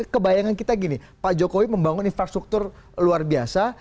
kebayangan kita gini pak jokowi membangun infrastruktur luar biasa